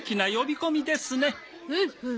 ほうほう。